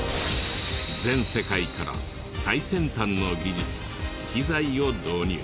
全世界から最先端の技術機材を導入。